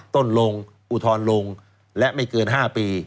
ต้นลงอุทธรณ์ลงและไม่เกิน๕ปี